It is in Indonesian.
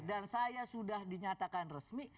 dan saya sudah dinyatakan resmi